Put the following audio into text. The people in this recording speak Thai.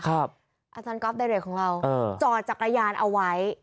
อาจารย์ก๊อฟไดเรทของเราจอดจักรยานเอาไว้